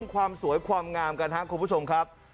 ความสวยความงามกันครับคุณผู้ชมครับ